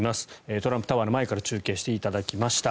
トランプタワーの前から中継していただきました。